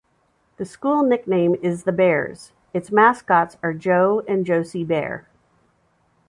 The school nickname is the Bears; its mascots are Joe and Josie Bear.